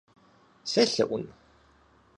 Селъэӏун?